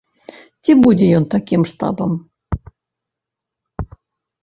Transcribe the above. Ці будзе ён такім штабам?